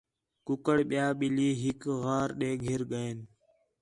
کُکّڑ، ٻِیا ٻلّھی ہِک غار ݙے گھر ڳئیان